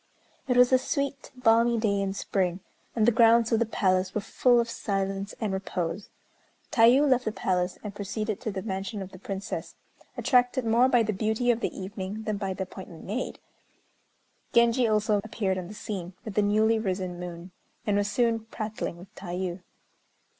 It was a sweet balmy day in spring, and the grounds of the palace were full of silence and repose. Tayû left the palace, and proceeded to the mansion of the Princess, attracted more by the beauty of the evening than by the appointment made. Genji also appeared on the scene, with the newly risen moon, and was soon prattling with Tayû.